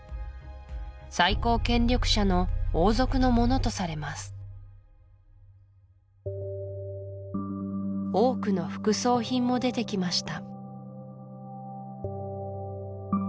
最高権力者の王族のものとされます多くの副葬品も出てきました